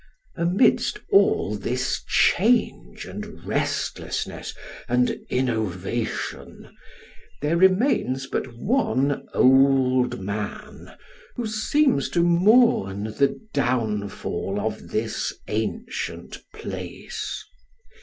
Amidst all this change, and restlessness, and innovation, there remains but one old man, who seems to mourn the downfall of this ancient place.